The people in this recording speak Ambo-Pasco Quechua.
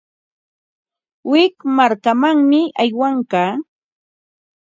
Wik markamanmi aywaykaa.